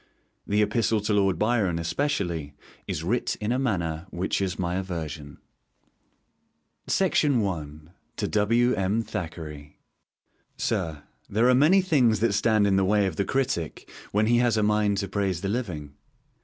The Epistle to Lord Byron, especially, is 'writ in a manner which is my aversion.' LETTERS TO DEAD AUTHORS I. To W. M. Thackeray. Sir, There are many things that stand in the way of the critic when he has a mind to praise the living.